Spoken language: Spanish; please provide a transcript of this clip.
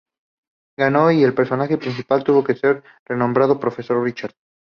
Ganó, y el personaje principal tuvo que ser renombrado profesor Richard.